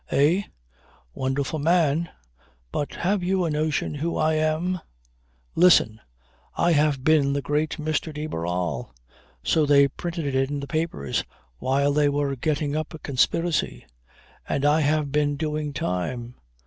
"Eh? Wonderful man? But have you a notion who I am? Listen! I have been the Great Mr. de Barral. So they printed it in the papers while they were getting up a conspiracy. And I have been doing time.